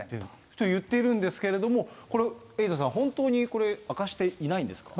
って言っているんですけれども、これ、エイトさん、本当にこれ、明かしていないんですか。